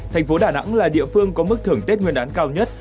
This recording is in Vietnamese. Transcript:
thành phố đà nẵng là địa phương có mức thưởng tết nguyên đán cao nhất